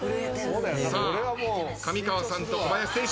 さあ上川さんと小林選手